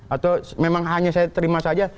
atau memang hanya saya terima saja